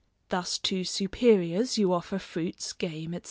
Thus to superiors, you offer fruits, game, &c.